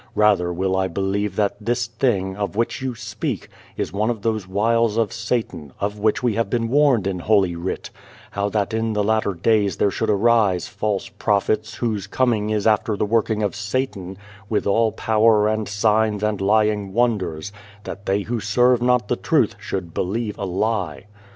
Rather, will I believe that this thing, The Child, the Wise Man of which you speak, is one of those wiles of Satan, of which we have been warned in Holy Writ : how that in the latter days there should arise * false prophets,' whose * coming is after the working of Satan, with all power and signs and lying wonders,' that they who serve not the truth should ' believe a lie.'